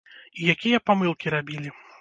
І якія памылкі рабілі?